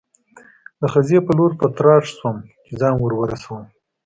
د خزې په لور په تراټ شوم، چې ځان ور ورسوم.